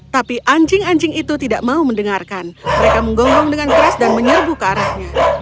tapi anjing anjing itu tidak mau mendengarkan mereka menggonggong dengan keras dan menyerbu ke arahnya